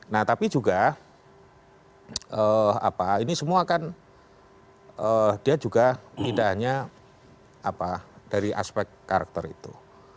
nah tapi juga ini semua kan dia juga tidak hanya dari aspek karakter itu